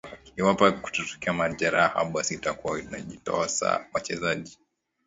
iwapo kutatokea majeraha basi atakuwa anajitosa katika shughuli hizo za ununuzi wa wachezaji